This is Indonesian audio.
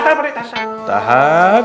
tahan pakdeh tahan